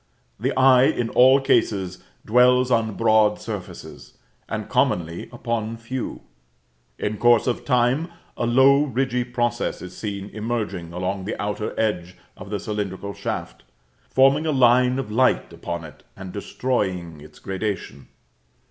The eye in all cases dwells on broad surfaces, and commonly upon few. In course of time, a low ridgy process is seen emerging along the outer edge of the cylindrical shaft, forming a line of light upon it and destroying its gradation.